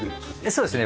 そうですね。